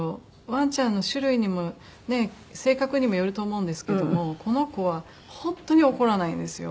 ワンちゃんの種類にも性格にもよると思うんですけどもこの子は本当に怒らないんですよ。